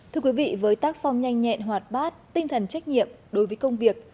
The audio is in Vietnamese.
thưa quý vị với tác phong nhanh nhẹn hoạt bát tinh thần trách nhiệm đối với công việc